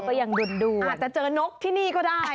อาจจะเจอนกที่นี่ก็ได้นะคะ